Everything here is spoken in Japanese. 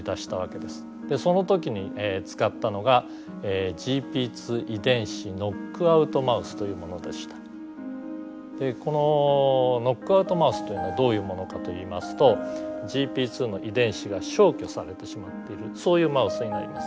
その時に使ったのがこのノックアウトマウスというのはどういうものかといいますとＧＰ２の遺伝子が消去されてしまっているそういうマウスになります。